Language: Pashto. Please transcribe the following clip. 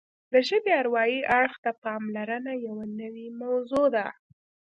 د ژبې اروايي اړخ ته پاملرنه یوه نوې موضوع ده